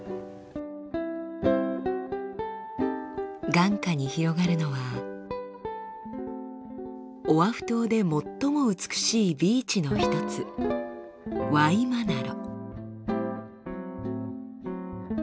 眼下に広がるのはオアフ島で最も美しいビーチの一つワイマナロ。